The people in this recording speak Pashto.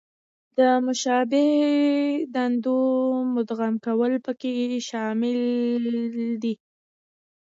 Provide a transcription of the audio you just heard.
د مشابه دندو مدغم کول پکې شامل دي.